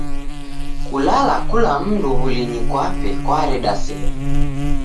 Kulala kula mndu w'ulinyi kwape kwareda sere.